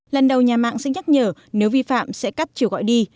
lần đầu nhà mạng sẽ nhắc nhở nếu vi phạm sẽ cắt chiều gọi đi